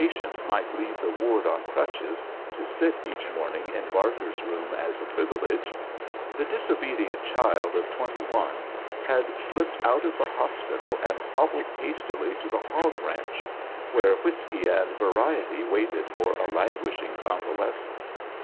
~' tient might leave the ward on crutches — 'to sit each morning in Barker's room as a privilege, the disobedient child of twenty Kone had slipped out of the hospital and " hobbled hastily to the hog ranch, where whiskey and variety waited for a languish iag convalescent.